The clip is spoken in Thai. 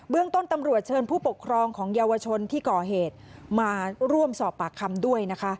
ต้นตำรวจเชิญผู้ปกครองของเยาวชนที่ก่อเหตุมาร่วมสอบปากคำด้วยนะคะ